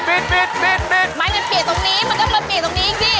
ไม่มันเปลี่ยนตรงนี้มันก็เปลี่ยนตรงนี้อีกสิ